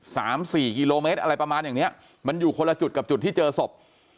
สามสี่กิโลเมตรอะไรประมาณอย่างเนี้ยมันอยู่คนละจุดกับจุดที่เจอศพ